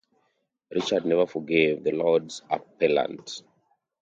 Richard never forgave the Lords Appellant.